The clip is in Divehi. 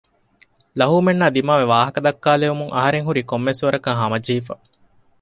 ލަހޫމެންނާ ދިމާވެ ވާހަކަދައްކާލެވުމުން އަހަރެން ހުރީ ކޮންމެސްވަރަކަށް ހަމަޖެހިފަ